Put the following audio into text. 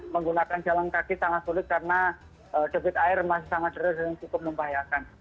menggunakan jalan kaki sangat sulit karena debit air masih sangat deras dan cukup membahayakan